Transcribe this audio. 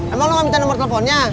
emang lo gak minta nomor teleponnya